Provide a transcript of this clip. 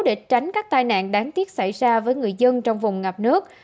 để tránh các tai nạn đáng tiếc xảy ra với người dân trong vùng ngập nước